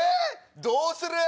どうする？